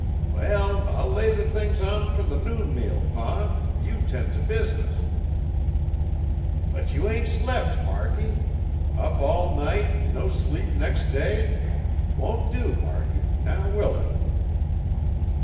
"Well, I'll lay the things on fur the noon meal, Pa, you tend t' business." "But you ain't slept, Markie. Up all night an' no sleep nex' day! 'T won't do, Markie, now will it?"